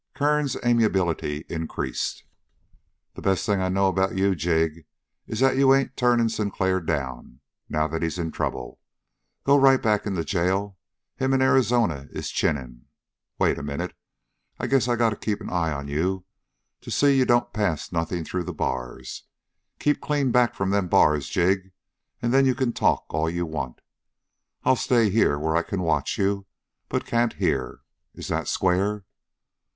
Kern's amiability increased. "The best thing I know about you, Jig, is that you ain't turning Sinclair down, now that he's in trouble. Go right back in the jail. Him and Arizona is chinning. Wait a minute. I guess I got to keep an eye on you to see you don't pass nothing through the bars. Keep clean back from them bars, Jig, and then you can talk all you want. I'll stay here where I can watch you but can't hear. Is that square?"